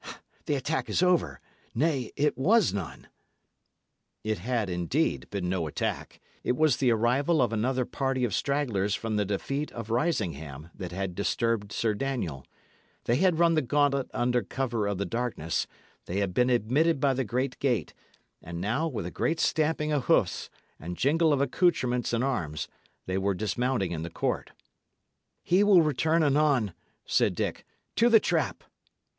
The attack is over. Nay, it was none!" It had, indeed, been no attack; it was the arrival of another party of stragglers from the defeat of Risingham that had disturbed Sir Daniel. They had run the gauntlet under cover of the darkness; they had been admitted by the great gate; and now, with a great stamping of hoofs and jingle of accoutrements and arms, they were dismounting in the court. "He will return anon," said Dick. "To the trap!"